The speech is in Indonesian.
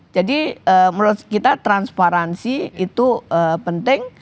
jadi menurut kita transparansi itu penting